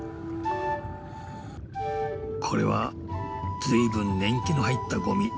これはずいぶん年季の入ったゴミ。